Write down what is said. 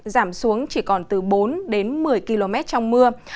giảm xuống chỉ còn từ bốn đến một mươi km trong mưa